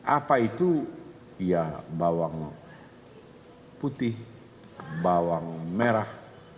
apa itu ya bawang putih bawang merah